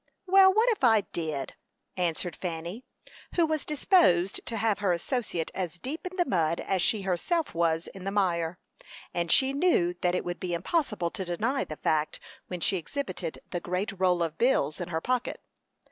"Well, what if I did?" answered Fanny, who was disposed to have her associate as deep in the mud as she herself was in the mire; and she knew that it would be impossible to deny the fact when she exhibited the great roll of bills in her pocket.